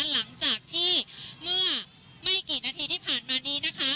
หลังจากที่เมื่อไม่กี่นาทีที่ผ่านมานี้นะคะ